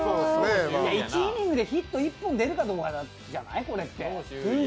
１イニングでヒット１本出るかどうかじゃない？